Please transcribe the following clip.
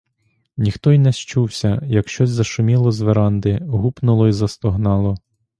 Ніхто й незчувся, як щось зашуміло з веранди, гупнуло й застогнало.